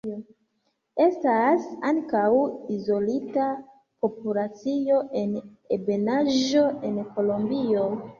Estas ankaŭ izolita populacio en ebenaĵo en Kolombio.